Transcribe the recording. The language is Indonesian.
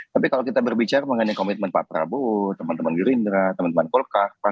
tapi kalau kita berbicara mengenai komitmen pak prabowo teman teman gerindra teman teman golkar pan